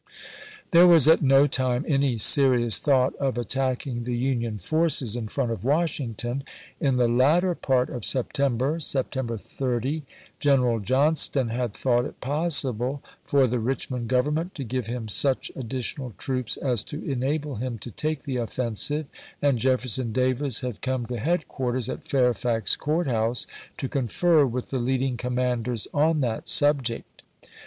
There was at no time any serious thought of at tacking the Union forces in front of Washington. In the latter part of September (Sept. 30), General John igei. ston had thought it possible for the Richmond Gov ernment to give him such additional troops as to enable him to take the offensive, and Jefferson Davis had come to headquarters at Fairfax Court House to confer with the leading commanders on that subject.